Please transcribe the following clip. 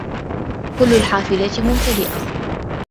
كل الحافلات ممتلئة.